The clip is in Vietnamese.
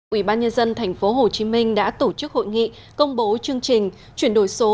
ủy ban nhân dân tp hcm đã tổ chức hội nghị công bố chương trình chuyển đổi số